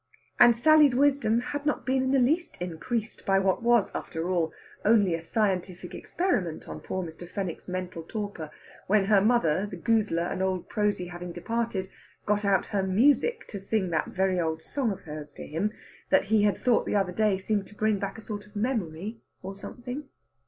And Sally's wisdom had not been in the least increased by what was, after all, only a scientific experiment on poor Mr. Fenwick's mental torpor when her mother, the goozler and old Prosy having departed, got out her music to sing that very old song of hers to him that he had thought the other day seemed to bring back a sort of memory of something.